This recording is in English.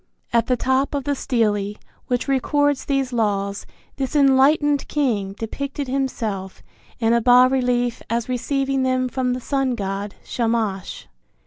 At the top of the stele which records these laws this enlightened king depicted himself in a bas relief as receiving them from the sun god, Shamash.